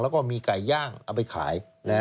แล้วก็มีไก่ย่างเอาไปขาย